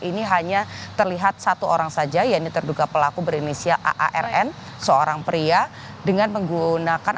ini hanya terlihat satu orang saja yaitu terduga pelaku berinisial arn seorang pria dengan menggunakan